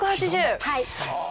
はい。